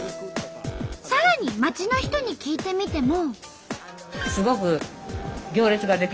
さらに街の人に聞いてみても。